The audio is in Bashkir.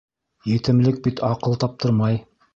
Етемлек бит аҡыл таптырмай.